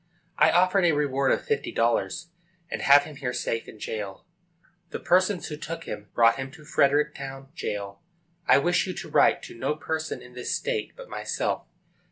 I offered a reward of fifty dollars, and have him here safe in jail. The persons who took him brought him to Fredericktown jail. I wish you to write to no person in this state but myself.